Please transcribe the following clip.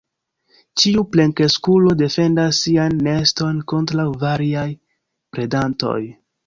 Ĉiu plenkreskulo defendas sian neston kontraŭ variaj predantoj.